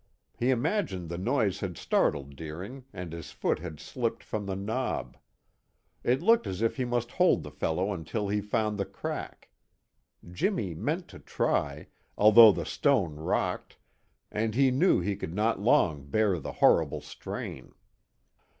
He imagined the noise had startled Deering and his foot had slipped from the knob. It looked as if he must hold the fellow until he found the crack. Jimmy meant to try, although the stone rocked, and he knew he could not long bear the horrible strain.